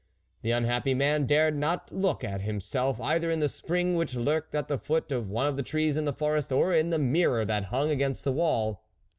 The unhappy man dared not look at him self either in the spring which lurked at the foot of one of the trees in the forest, or in the mirror that hung against the wall.